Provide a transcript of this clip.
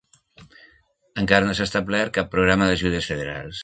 Encara no s'ha establert cap programa d'ajudes federals.